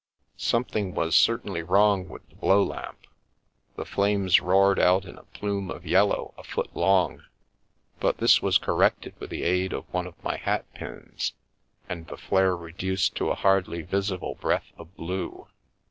Something was certainly wrong with the blow lamp — the flames roared out in a plume of yellow a foot long, but this was corrected with the aid of one of my hat pins, and the flare reduced to a hardly visible breath of blue.